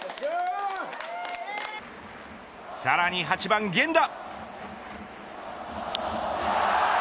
さらに８番、源田。